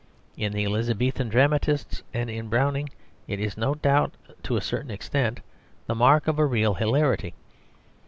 In the Elizabethan dramatists and in Browning it is no doubt to a certain extent the mark of a real hilarity.